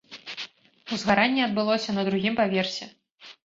Узгаранне адбылося на другім паверсе.